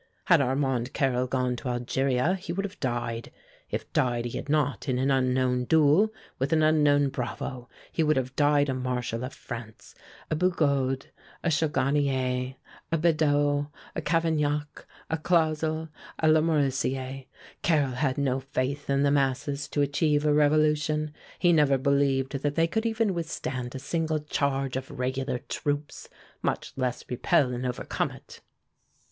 Had Armand Carrel gone to Algeria, he would have died if died he had not in an unknown duel, with an unknown bravo he would have died a Marshal of France a Bugeaud, a Chaugarnier, a Bedeau, a Cavaignac, a Clausel, a Lamoricière. Carrel had no faith in the masses to achieve a revolution. He never believed that they could even withstand a single charge of regular troops, much less repel and overcome it."